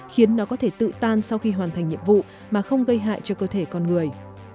khiến nó có thể tự tan sau khi hoàn thành nhiệm vụ mà không gây hại cho cơ thể con người